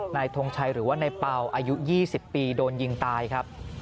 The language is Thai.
ทงชัยหรือว่านายเป่าอายุ๒๐ปีโดนยิงตายครับ